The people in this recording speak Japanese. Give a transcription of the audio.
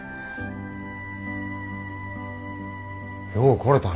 よう来れたな。